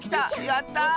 やった！